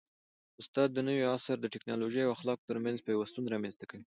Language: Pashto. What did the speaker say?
استاد د نوي عصر د ټیکنالوژۍ او اخلاقو ترمنځ پیوستون رامنځته کوي.